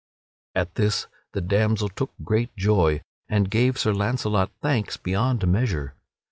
At this the damsel took great joy and gave Sir Launcelot thanks beyond measure.